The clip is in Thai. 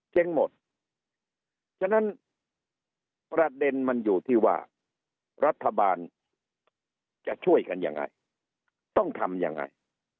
เจ๊งหมดฉะนั้นประเด็นมันอยู่ที่ว่ารัฐบาลจะช่วยกันยังไงต้องทำยังไง